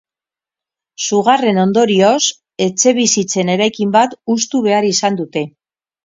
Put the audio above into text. Sugarren ondorioz, etxebizitzen eraikin bat hustu behar izan dute.